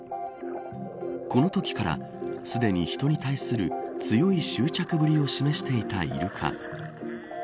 このときから、すでに人に対する強い執着ぶりを示していたイルカ。